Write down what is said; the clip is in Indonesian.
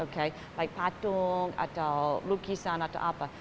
baik patung atau lukisan atau apa